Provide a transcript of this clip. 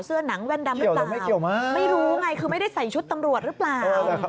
เสื้อนังแว่นดำหรือเปล่าไม่รู้ไงคือไม่ได้ใส่ชุดตำรวจหรือเปล่า